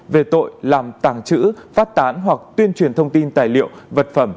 về tội làm tàng trữ phát tán hoặc tuyên truyền thông tin tài liệu vật phẩm